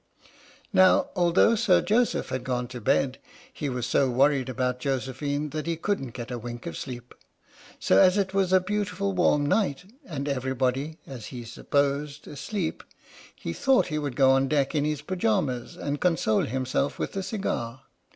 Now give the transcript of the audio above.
Now although Sir Joseph had gone to bed, he was so worried about Josephine that he couldn't get a wink of sleep. So as it was a beautiful warm night, and everybody (as he supposed) asleep, he thought he would go on deck in his pyjamas, and console himself with a cigar.